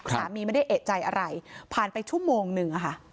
ไม่ได้เอกใจอะไรผ่านไปชั่วโมงหนึ่งอะค่ะ